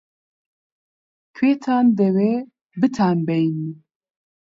-کوێتان دەوێ بتانبەین؟